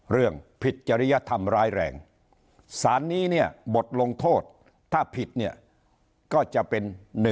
เรื่องผิดจริยธรรมร้ายแรงศาลนี้บทลงโทษถ้าผิดก็จะเป็น